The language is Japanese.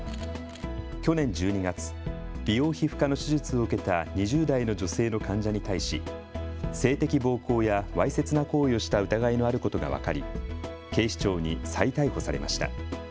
去年１２月、美容皮膚科の手術を受けた２０代の女性の患者に対し性的暴行やわいせつな行為をした疑いのあることが分かり、警視庁に再逮捕されました。